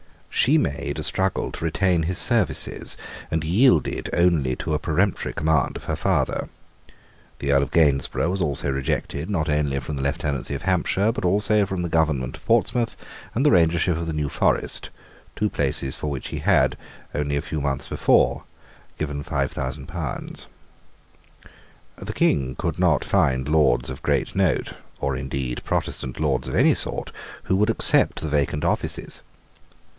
She made a struggle to retain his services, and yielded only to a peremptory command of her father. The Earl of Gainsborough was rejected, not only from the lieutenancy of Hampshire, but also from the government of Portsmouth and the rangership of the New Forest, two places for which he had, only a few months before, given five thousand pounds. The King could not find Lords of great note, or indeed Protestant Lords of any sort, who would accept the vacant offices.